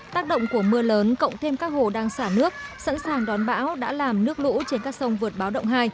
tác động của mưa lớn cộng thêm các hồ đang xả nước sẵn sàng đón bão đã làm nước lũ trên các sông vượt báo động hai